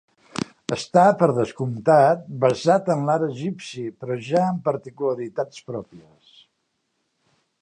Està, per descomptat, basat en l'art egipci, però ja amb particularitats pròpies.